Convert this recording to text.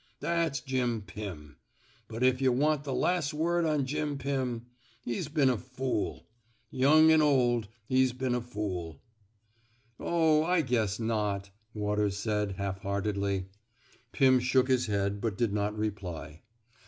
That's Jim Pim. But if yuh want the las' word on Jim Pim, he's heen a fool. Young an' old, he's been a fool." Oh, I guess not," Waters said, half heartedly. Pim shook his head, but did not reply.